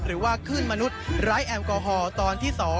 หรือว่าขึ้นมนุษย์ไร้แอลกอฮอลตอนที่๒